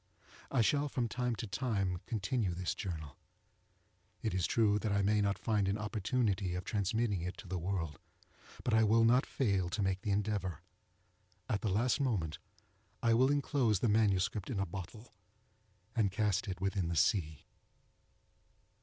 I shall from time to time continue this journal. It is true that I may not find an opportunity of transmitting it to the world, but I will not fall to make the endeavour. At the last moment I will enclose the MS. in a bottle, and cast it within the sea.